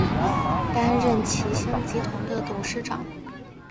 担任齐星集团的董事长。